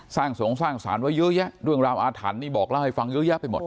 สร้างส่องสร้างสารไว้เยอะแยะด้วยรามอาถรรพ์นี้บอกแล้วให้ฟังเยอะแยะไปหมด